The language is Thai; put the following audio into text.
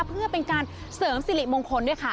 เพื่อเป็นการเสริมสิริมงคลด้วยค่ะ